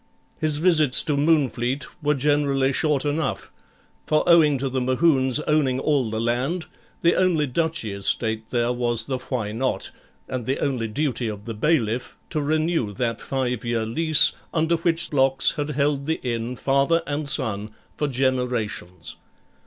His visits to Moonfleet were generally short enough, for owing to the Mohunes owning all the land, the only duchy estate there was the Why Not? and the only duty of the bailiff to renew that five year lease, under which Blocks had held the inn, father and son, for generations.